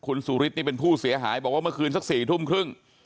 คุณสุรินนี่เป็นผู้เสียหายบอกว่าเมื่อคืนสัก๔ทุ่มครึ่ง